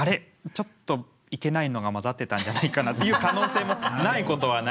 ちょっとイケナイのが混ざってたんじゃないかなという可能性もないことはないと。